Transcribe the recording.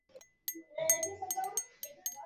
কুমুর সাজসজ্জা হল।